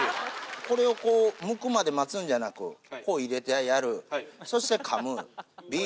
これをこう向くまで待つんじゃなくこう入れてやるそして噛む。